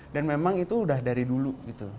dan memang itu udah dari dulu gitu